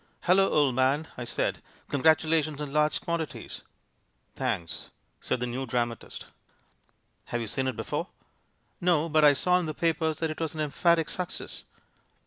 *'Hallo, old man!" I said. "Congratulations in large quantities." "Thanks," said the new dramatist. "Have you seen it before?" "No; but I saw in the papers that it was an 'emphatic success.'